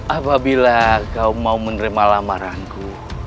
apabila kau mau menerima lamaranku